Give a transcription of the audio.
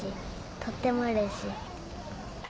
とってもうれしい。